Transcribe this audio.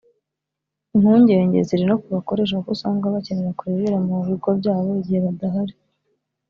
Impungenge ziri no ku bakoresha kuko usanga bakenera kureba ibibera mu bigo byabo igihe badahari